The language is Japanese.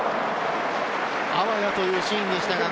あわやというシーンでした。